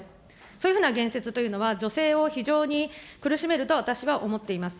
そういうふうな言説というのは、女性を非常に苦しめると、私は思っています。